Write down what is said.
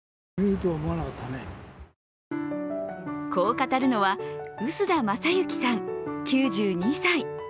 こう語るのは臼田正行さん９２歳。